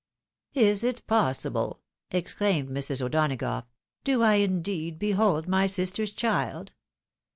"Is it possible!" exclaimed Mrs. O'Donagough, "do I indeed behold my sister's child